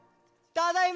ただいま！